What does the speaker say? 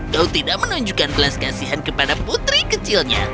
kau tidak menunjukkan gelas kasihan kepada putri kecilnya